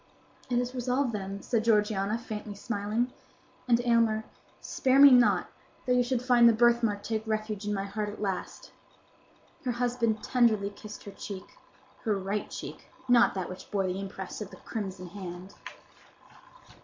"It is resolved, then," said Georgiana, faintly smiling. "And, Aylmer, spare me not, though you should find the birthmark take refuge in my heart at last." Her husband tenderly kissed her cheek—her right cheek—not that which bore the impress of the crimson hand.